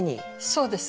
そうです。